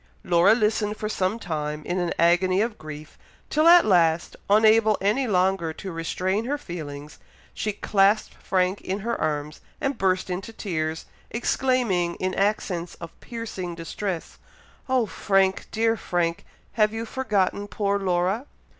Laura listened for some time in an agony of grief, till at last, unable any longer to restrain her feelings, she clasped Frank in her arms and burst into tears, exclaiming, in accents of piercing distress, "Oh Frank! dear Frank! have you forgotten poor Laura?"